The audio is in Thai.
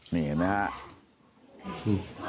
นี่เห็นไหมครับ